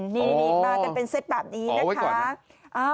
นี่มากันเป็นเซ็ตแบบนี้นะคะอ๋อเอาไว้ก่อนนะ